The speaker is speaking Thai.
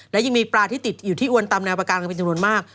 และยังมีปลาที่ติดอยู่ที่อวนตามแนวประการกันเป็นจำนวนมาก